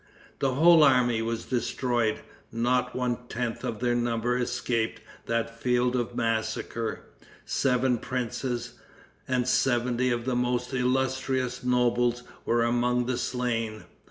The whole army was destroyed. Not one tenth of their number escaped that field of massacre. Seven princes, and seventy of the most illustrious nobles were among the slain.